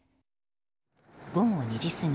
午後２時過ぎ